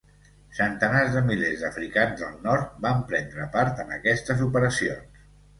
Centenars de milers d'africans del nord van prendre part en aquestes operacions.